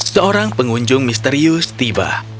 seorang pengunjung misterius tiba